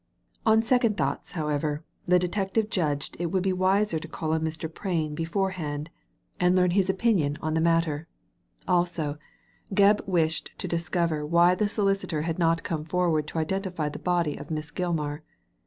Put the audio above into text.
On second thoughts, however, the detective judged it would be wiser to call on Mr. Frain beforehand, and 77 Digitized by Google 78 THE LADY FROM NOWHERE learn his opinion on the matter. Also, Gebb wished to discover why the solicitor had not come forward to identify the body of Miss Gilmar.